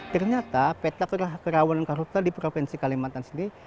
ternyata peta kerawanan karhutlah di provinsi kalimantan ini